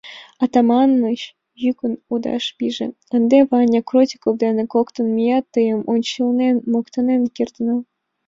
Атаманыч йӱкын лудаш пиже: «Ынде Ваня Крутиков дене коктын меат тыйын ончылнет моктанен кертына.